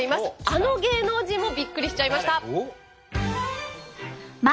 あの芸能人もビックリしちゃいました！